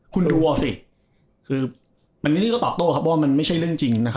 คุณดูเอาสิคือมันนินี่ก็ตอบโต้ครับว่ามันไม่ใช่เรื่องจริงนะครับ